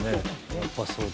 やっぱそうだ。